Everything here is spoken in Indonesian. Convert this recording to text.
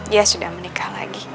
dia sudah menikah lagi